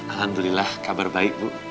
alhamdulillah kabar baik bu